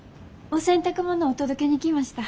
お洗濯物お届けに来ました。